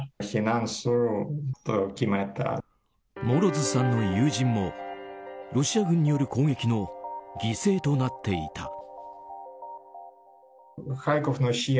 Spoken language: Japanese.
モロズさんの友人もロシア軍による攻撃の犠牲となっていた。